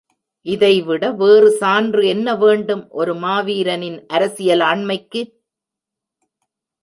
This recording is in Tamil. இதை விட வேறு சான்று என்ன வேண்டும், ஒரு மாவீரனின் அரசியல் ஆண்மைக்கு?